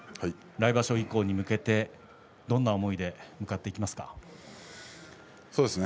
来場所以降に向けてどんな思いで向かっていきますか。